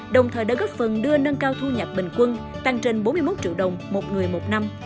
đồng thời đã góp phần đưa nâng cao thu nhập bình quân tăng trên bốn mươi một triệu đồng một người một năm